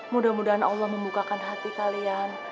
mudah mudahan allah membukakan hati kalian